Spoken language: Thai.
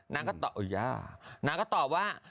นางก็ต่อย้านางก็ตอบว่า